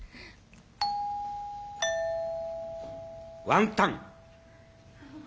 ワンタン。